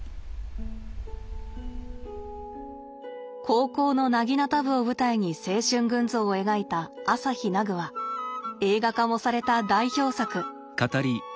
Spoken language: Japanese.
高校の薙刀部を舞台に青春群像を描いた「あさひなぐ」は映画化もされた代表作。